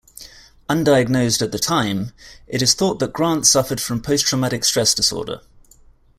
Undiagnosed at the time, it is thought that Grant suffered from post-traumatic stress disorder.